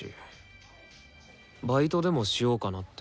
バイトでもしようかなって。